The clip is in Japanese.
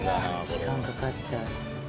時間かかっちゃう。